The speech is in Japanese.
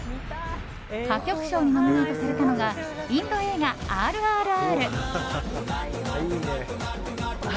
歌曲賞にノミネートされたのがインド映画「ＲＲＲ」。